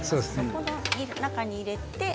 この中に入れて。